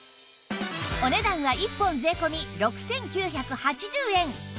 お値段は１本税込６９８０円